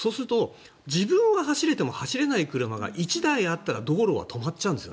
自分は走れても走れない車が１台止まったら止まってしまうんですよ。